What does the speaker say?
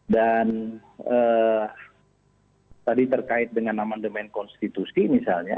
dan tadi terkait dengan nama demen konstitusi misalnya